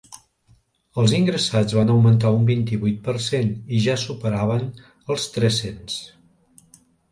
Els ingressats van augmentar un vint-i-vuit per cent i ja superaven els tres-cents.